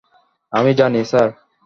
আমি জানি, স্যার।